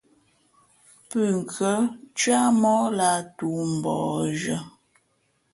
Pʉ̂nkhʉ̄ᾱ cwíáh móh lǎh toō mbαᾱ zhʉ̄ᾱ.